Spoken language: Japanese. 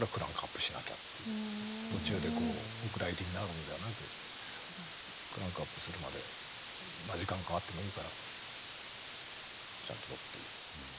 途中でお蔵入りになるんではなくクランクアップするまで時間かかってもいいからちゃんとって。